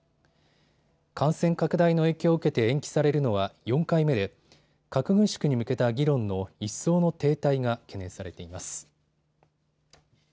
感染拡大の影響を受けて延期されるのは４回目で核軍縮に向けた議論の一層の停滞が懸念されています。